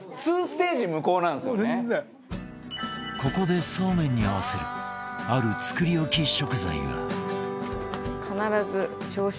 ここでそうめんに合わせるある作り置き食材が